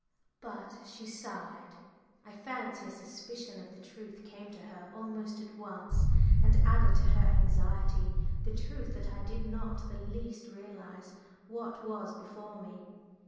But she sighed. I fancy a suspicion of the truth came to her almost at once and added to her anxiety the truth that I did not the least realise what was before me.